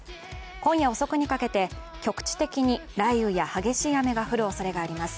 今夜遅くにかけて局地的な雷雨や激しい雨が降るおそれがあります。